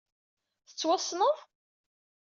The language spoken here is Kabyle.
Tettwassneḍ?